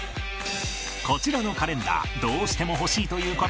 こちらのカレンダーどうしても欲しいという方に追加でクイズ